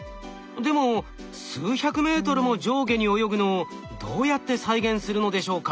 でも数百メートルも上下に泳ぐのをどうやって再現するのでしょうか？